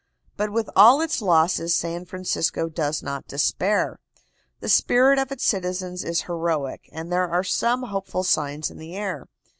But with all its losses San Francisco does not despair. The spirit of its citizens is heroic, and there are some hopeful signs in the air.